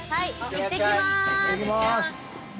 いってきまーす。